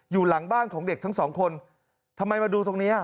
อยู่หลังบ้านของเด็กทั้งสองคนทำไมมาดูตรงเนี้ย